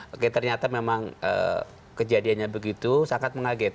oke ternyata memang kejadiannya begitu sangat mengaget